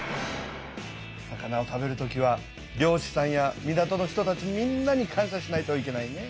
魚を食べる時は漁師さんや港の人たちみんなに感しゃしないといけないね。